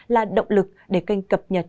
là động lực để kênh cập nhật